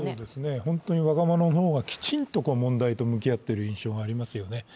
本当に若者の方がきちんと問題に向き合っている印象がありますよね。